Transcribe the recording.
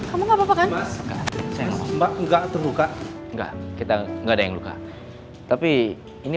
kamu nggak apa apa kan mas enggak terbuka enggak kita enggak ada yang luka tapi ini